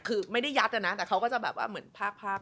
คือไม่ได้ยัดนะแต่เขาก็จะแบบว่าเหมือนภาค